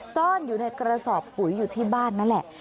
ซ่อนอยู่ในกระสอบปุ๋ยอยู่ที่บ้านนั่นแหละ